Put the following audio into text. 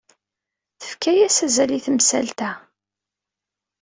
Tefka-as azal i temsalt-a.